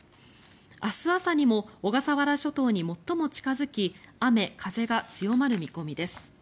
明日朝にも小笠原諸島に最も近付き雨風が強まる見込みです。